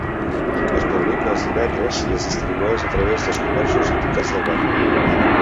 Es publica els divendres i es distribueix a través dels comerços i entitats del barri.